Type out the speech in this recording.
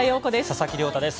佐々木亮太です。